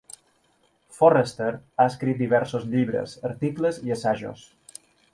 Forrester ha escrit diversos llibres, articles i assajos.